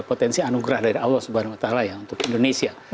potensi anugerah dari allah swt ya untuk indonesia